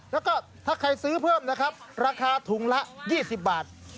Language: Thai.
แล้วก็ถ้าใครซื้อเพิ่มนะครับราคาถุงละ๒๐บาท